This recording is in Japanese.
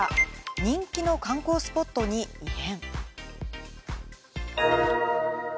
人気の観光スポットに異変。